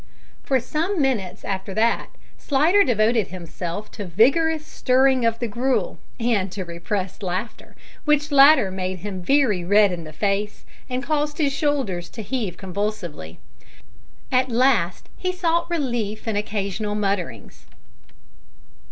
For some minutes after that Slidder devoted himself to vigorous stirring of the gruel, and to repressed laughter, which latter made him very red in the face, and caused his shoulders to heave convulsively. At last he sought relief in occasional mutterings.